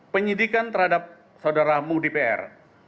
penyidikan terhadap saudaramu dpr